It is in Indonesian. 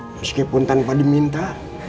meskipun tanpa diminta